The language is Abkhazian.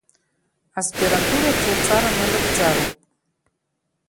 Аспирантураҿ лҵара налыгӡароуп.